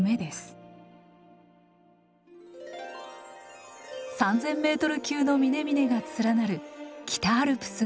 ３，０００メートル級の峰々が連なる北アルプスの立山連峰。